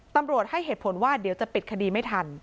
ตำรวจให้เหตุผลว่าเดี๋ยวจะปิดคดีไม่ทัน